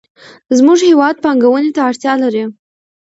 زموږ هېواد پانګونې ته اړتیا لري.